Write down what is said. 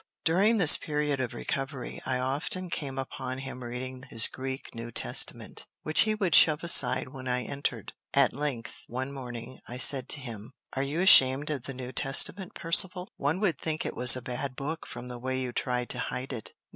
During this period of recovery, I often came upon him reading his Greek New Testament, which he would shove aside when I entered. At length, one morning, I said to him, "Are you ashamed of the New Testament, Percivale? One would think it was a bad book from the way you try to hide it."